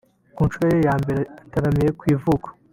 Ku nshuro ye ya mbere ataramiye ku ivuko